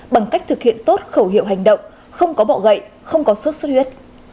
bằng cách thực hiện tốt khẩu hiệu hành động không có bọ gậy không có sốt xuất huyết